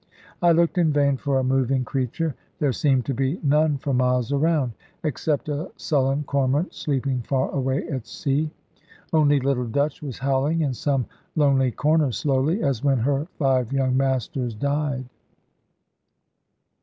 I looked in vain for a moving creature; there seemed to be none for miles around, except a sullen cormorant sleeping far away at sea. Only little Dutch was howling in some lonely corner slowly, as when her five young masters died.